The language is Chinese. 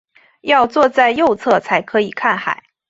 要坐在右侧才可以看海